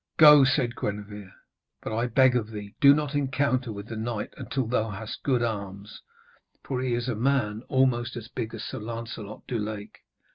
'Go,' said Gwenevere, 'but I beg of thee, do not encounter with the knight until thou hast good arms, for he is a man almost as big as Sir Lancelot du Lake.